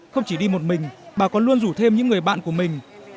không chỉ đi một mình bà còn luôn rủ thêm những người bạn của mình